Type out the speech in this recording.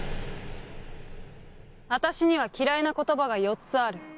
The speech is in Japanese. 私には嫌いな言葉が４つある。